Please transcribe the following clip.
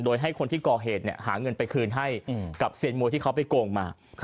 โดยให้คนที่ก่อเหตุหาเงินไปคืนให้กับเซียนมวยที่เขาไปโกงมา